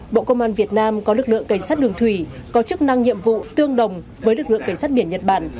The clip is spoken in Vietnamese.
bộ công an việt nam có lực lượng cảnh sát đường thủy có chức năng nhiệm vụ tương đồng với lực lượng cảnh sát biển nhật bản